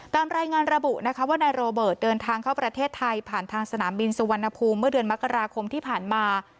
ตามรายงานระบุนะคะว่านายโรเบิร์ตเดินทางเข้าประเทศไทยผ่านทางสนามบินสุวรรณภูมิเมื่อเดือนมกราคมที่ผ่านมา